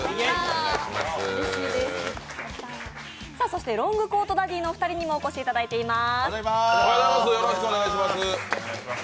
そしてロングコートダディのお二人にもお越しいただいています。